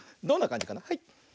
どんなかんじかな。